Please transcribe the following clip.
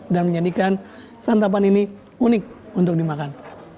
dan menjadikan santapan ini unik untuk dimakan